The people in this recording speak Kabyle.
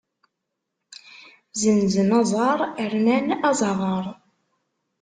Zenzen aẓar rnan azaɣaṛ.